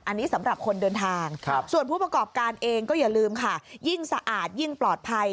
อันนี้สำหรับคนเดินทางส่วนผู้ประกอบการเองก็อย่าลืมค่ะยิ่งสะอาดยิ่งปลอดภัย